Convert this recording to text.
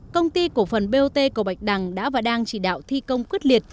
công ty cổ phần bot cầu bạch đằng đã và đang chỉ đạo thi công quyết liệt